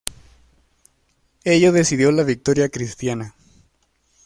Ello decidió la victoria cristiana.